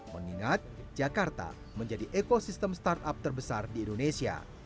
mengingat jakarta menjadi ekosistem startup terbesar di indonesia